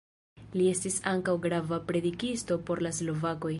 Li estis ankaŭ grava predikisto por la slovakoj.